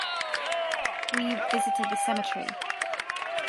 We visited the cemetery.